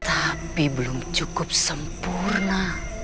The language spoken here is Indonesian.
tapi belum cukup sempurna